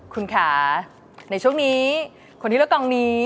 คุณค่ะในช่วงนี้คนที่เลือกกองนี้